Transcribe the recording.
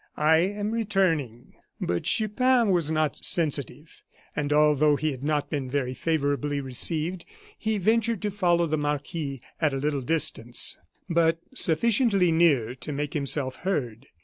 "I am returning " But Chupin was not sensitive; and although he had not been very favorably received, he ventured to follow the marquis at a little distance, but sufficiently near to make himself heard.